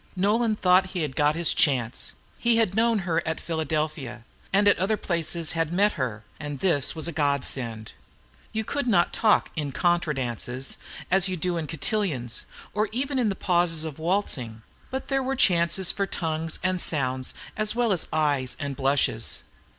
Nolan thought he had got his chance. He had known her at Philadelphia, and at other places had met her, and this was a Godsend. You could not talk in contra dances, as you do in cotillions, or even in the pauses of waltzing; but there were chances for tongues and sounds, as well as for eyes and blushes.